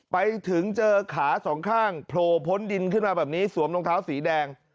ไปถึงเจอขาสองข้างโผล่พ้นดินขึ้นมาแบบนี้สวมรองเท้าสีแดง